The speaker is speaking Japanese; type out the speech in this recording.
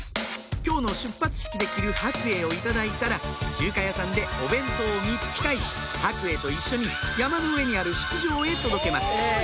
今日の出発式で着る白衣を頂いたら中華屋さんでお弁当を３つ買い白衣と一緒に山の上にある式場へ届けます